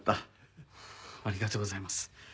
ありがとうございます。